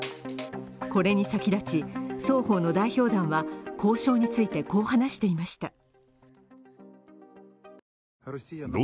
これに先立ち双方の代表団は交渉についてこう話していました。